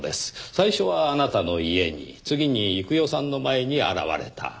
最初はあなたの家に次に幾代さんの前に現れた。